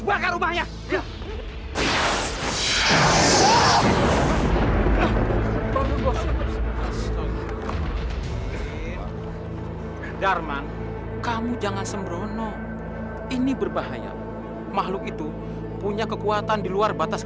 kalau lo tidak mencegah seluruh negara akan ketumpas